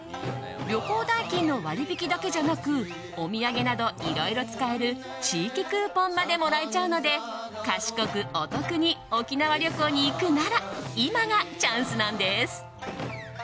旅行代金の割引だけじゃなくお土産などいろいろ使える地域クーポンまでもらえちゃうので賢くお得に沖縄旅行に行くなら今がチャンスなんです。